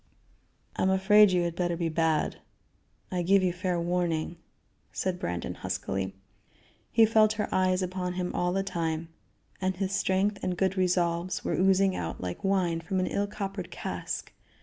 "I am afraid you had better be bad I give you fair warning," said Brandon huskily. He felt her eyes upon him all the time, and his strength and good resolves were oozing out like wine from an ill coppered cask.